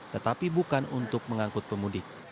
tetapi bukan untuk mengangkut pemudik